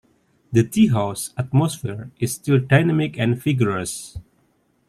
The teahouse atmosphere is still dynamic and vigorous.